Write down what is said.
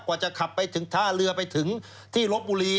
กว่าจะถ้าเรือไปถึงที่รบบุรี